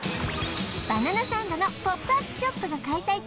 「バナナサンド」のポップアップショップが開催中！